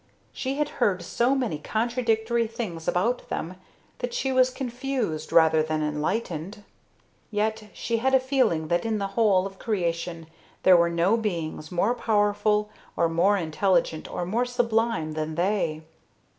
She had heard so many contradictory things about them that she was confused rather than enlightened. Yet she had a feeling that in the whole of creation there were no beings more powerful or more intelligent or more sublime than they.